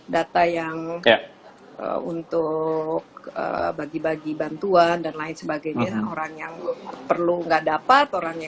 data yang untuk bagi bagi bantuan dan lain sebagainya orang yang perlu nggak dapat orangnya